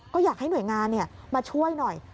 ก็อยากให้หน่วยงานมาช่วยหน่อย